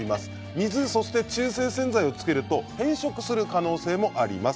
水そして中性洗剤をつけると変色する可能性があります。